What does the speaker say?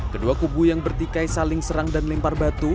kedua kubu yang bertikai saling serang dan lempar batu